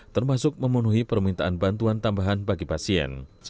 termasuk memenuhi permintaan bantuan tambahan bagi pasien